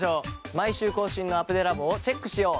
毎週更新のアプデラボをチェックしよう。